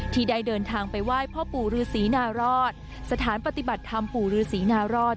ที่ได้เดินทางไปไหว้พ่อปู่ฤษีนารอดสถานปฏิบัติธรรมปู่ฤษีนารอด